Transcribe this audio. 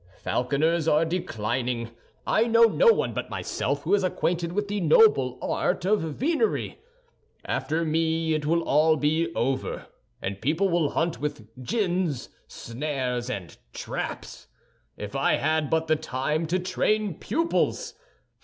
Falconers are declining. I know no one but myself who is acquainted with the noble art of venery. After me it will all be over, and people will hunt with gins, snares, and traps. If I had but the time to train pupils!